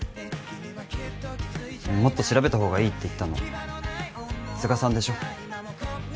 もっと調べた方がいいって言ったの都賀さんでしょ。